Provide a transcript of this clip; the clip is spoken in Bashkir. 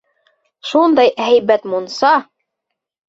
Шундай һәйбәт мунса.